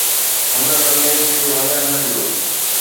هن لمحي کي وڃڻ نه ڏيو